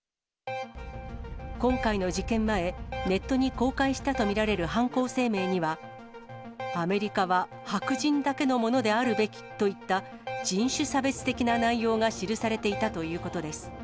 今回の事件前、ネットに公開したと見られる犯行声明には、アメリカは白人だけのものであるべきといった、人種差別的な内容が記されていたということです。